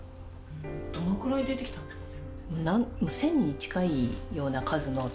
どのくらい出てきたんですかね？